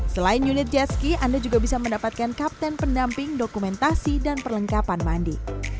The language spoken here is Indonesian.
selain unit jetski anda juga bisa mendapatkan kapten pendamping dokumentasi dan perlengkapan mandi